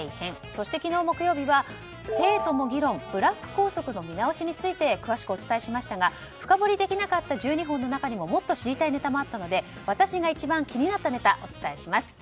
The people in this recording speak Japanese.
そして、昨日木曜日は生徒も議論ブラック校則の見直しについて詳しくお伝えしましたが深掘りできなかった１２本の中にももっと知りたいネタもあったので私が一番気になったネタお伝えします。